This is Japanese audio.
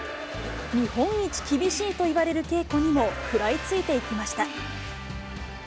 日本一厳しいといわれる稽古にも食らいついていきました。